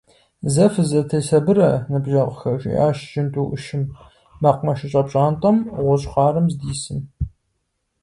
Зэ фызэтесабырэ, ныбжьэгъухэ! – жиӀащ жьынду Ӏущым, мэкъумэшыщӀэ пщӀантӀэм гъущӀ хъарым здисым.